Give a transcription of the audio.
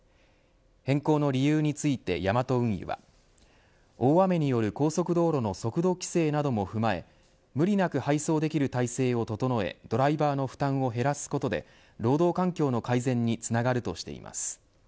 変更の理由についてヤマト運輸は大雨による高速道路の速度規制なども踏まえ無理なく配送できる体制を整えドライバーの負担を減らすことで労働環境の改善につながるとしています。